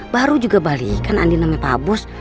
baru juga balikan andina sama pak bus